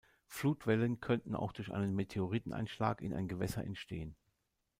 Flutwellen könnten auch durch einen Meteoriteneinschlag in ein Gewässer entstehen.